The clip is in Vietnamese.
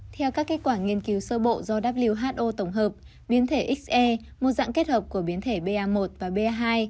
theo các kết quả nghiên cứu sơ bộ do who tổng hợp biến thể xe một dạng kết hợp của biến thể ba một và b hai